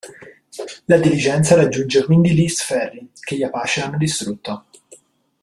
La diligenza raggiunge quindi Lee's Ferry, che gli Apache hanno distrutto.